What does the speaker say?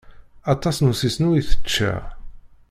Aṭas n usisnu i tečča.